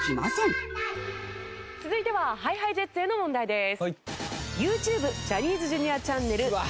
続いてはＨｉＨｉＪｅｔｓへの問題です。